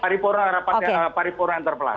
paripurna rapat paripurna antar pelasih